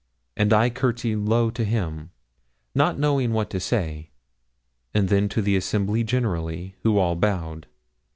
And I courtesied low to him, not knowing what to say, and then to the assembly generally, who all bowed.